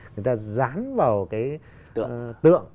người ta dán vào cái tượng